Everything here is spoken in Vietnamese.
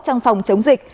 trong phòng chống dịch